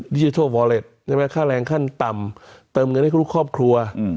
ดิจิทัลวอเล็ตใช่ไหมค่าแรงขั้นต่ำเติมเงินให้ทุกครอบครัว